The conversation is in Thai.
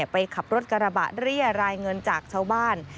ไปขับรถกระบะเรียรายเงินจากชาวบ้าน